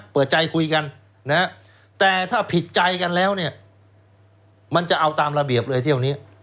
เปิดใจคุยกันนะแต่ถ้าผิดใจกันแล้วเนี่ยมันจะเอาตามระเบียบเลยเที่ยวนี้